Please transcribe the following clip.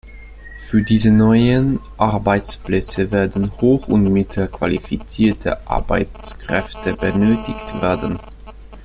Für diese neuen Arbeitsplätze werden hoch- und mittelqualifizierte Arbeitskräfte benötigt werden.